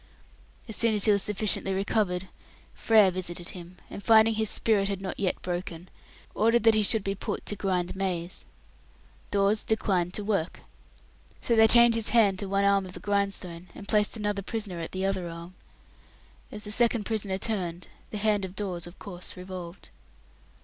As soon as he was sufficiently recovered, Frere visited him, and finding his "spirit" not yet "broken", ordered that he should be put to grind maize. Dawes declined to work. So they chained his hand to one arm of the grindstone and placed another prisoner at the other arm. As the second prisoner turned, the hand of Dawes of course revolved.